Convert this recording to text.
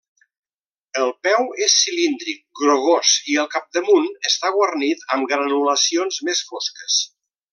El peu és cilíndric, grogós i al capdamunt està guarnit amb granulacions més fosques.